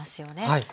はい。